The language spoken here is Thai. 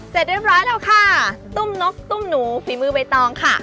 เสร็จเรียบร้อยแล้วค่ะตุ้มนกตุ้มหนูฝีมือใบตองค่ะ